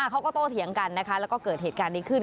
เขาก็โตเถียงกันนะคะแล้วก็เกิดเหตุการณ์นี้ขึ้น